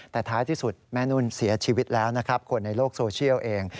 แต่ท้ายที่สุดแม่นุ่นเสียชีวิตแล้วนะครับคนในโลกโซเชียลเอง